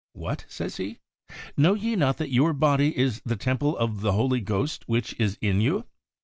' What !' says he, ' know ye not that your body is the temple of the Holy Ghost which is in you